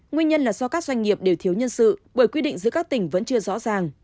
nguyên nhân là do các doanh nghiệp đều thiếu nhân sự bởi quy định giữa các tỉnh vẫn chưa rõ ràng